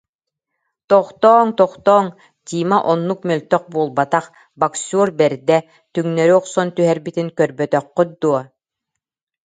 Тохтооҥ, тохтооҥ, Тима оннук мөлтөх буолбатах, боксер бэрдэ, түҥнэри охсон түһэрбитин көрбөтөххүт дуо